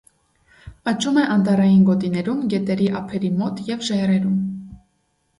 Աճում է անտռային գոտիներում, գետերի ափերի մոտ և ժայռերում։